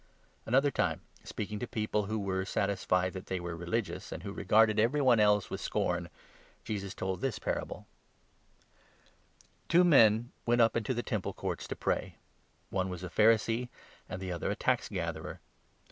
" Another time, speaking to people who were satisfied that 9 they were religious, and who regarded every one else with scorn, Jesus told this parable — Parable " Two men went up into the Temple Courts to 10 of the pray. One was a Pharisee and the other a tax 'and'the9 gatherer.